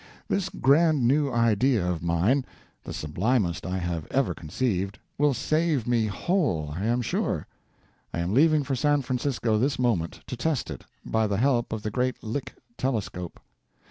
This grand new idea of mine—the sublimest I have ever conceived, will save me whole, I am sure. I am leaving for San Francisco this moment, to test it, by the help of the great Lick telescope.